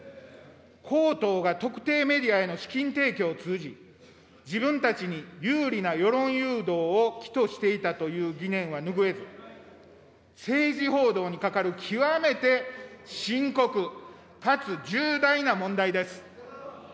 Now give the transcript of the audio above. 公党が特定メディアへの資金提供を通じ、自分たちに有利な世論誘導を企図していたという疑念は拭えず、政治報道にかかる極めて深刻かつ重大な問題です。